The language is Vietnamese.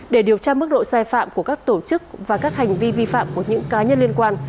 để điều tra mức độ sai phạm của các tổ chức và các hành vi vi phạm của những cá nhân liên quan